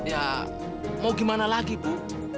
ya mau gimana lagi bu